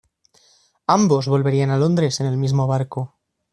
Ambos volverían a Londres en el mismo barco.